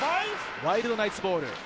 ワイルドナイツボール。